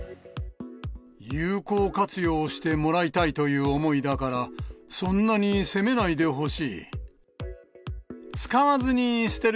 有効活用してもらいたいという思いだから、そんなに責めないでほしい。